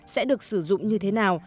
sẽ được sử dụng như thế nào